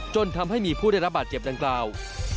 จนทำให้มีผู้ได้รับบาดเจ็บดังกล่าว